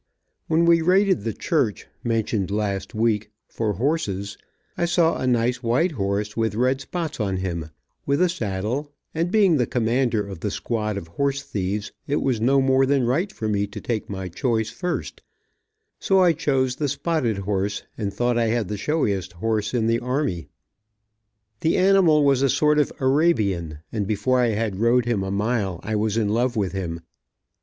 When we raided the church, mentioned last week, for horses, I saw a nice white horse with red spots on him, with a saddle, and being the commander of the squad of horse thieves, it was no more than right for me to take my choice first, so I chose the spotted horse, and thought I had the showiest horse in the army. The animal was a sort of Arabian, and before I had rode him a mile I was in love with him.